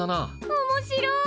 おもしろい！